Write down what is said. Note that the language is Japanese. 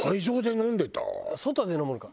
外で飲むのか。